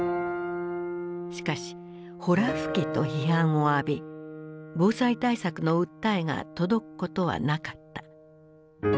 しかしほら吹きと批判を浴び防災対策の訴えが届くことはなかった。